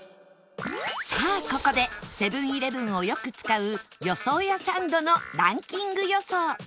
さあここでセブン−イレブンをよく使う予想屋サンドのランキング予想